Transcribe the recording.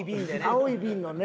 青い瓶のね。